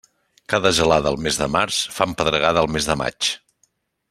Cada gelada al mes de març, fan pedregada al mes de maig.